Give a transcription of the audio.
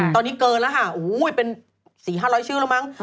ตอนนี้เกินแล้วค่ะเป็น๔๕๐๐ชื่อแล้วมั้ง